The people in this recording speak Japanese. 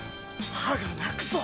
歯が泣くぞ！